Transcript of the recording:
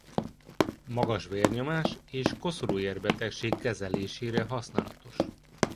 Magas vérnyomás és koszorúér-betegség kezelésére használatos.